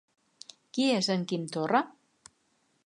Qui és en Quim Torra?